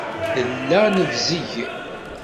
Nella nebzeg.